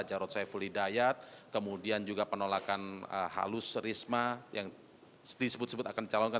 jarod saiful hidayat kemudian juga penolakan halus risma yang disebut sebut akan dicalonkan